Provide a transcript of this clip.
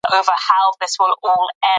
د دلارام په شېلو کي د سېلابونو اوبه بهیږي.